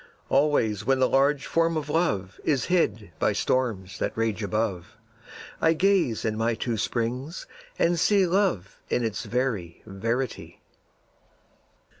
Always when the large Form of Love Is hid by storms that rage above, I gaze in my two springs and see Love in his very verity.